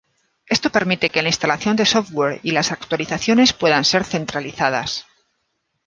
Esto permite que la instalación de software y las actualizaciones puedan ser centralizadas.